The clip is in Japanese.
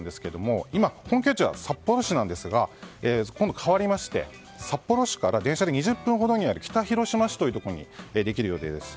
今、本拠地は札幌市なんですが変わりまして、札幌市から電車で２０分ほどにある北広島市というところにできる予定です。